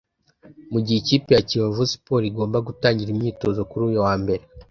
Mu gihe ikipe ya Kiyovu Sport igomba gutangira imyitozo kuri uyu wa Mbere